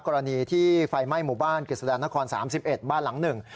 กรณีที่ไฟไหม้หมู่บ้านกฤษฎานคร๓๑บ้านหลังหนึ่ง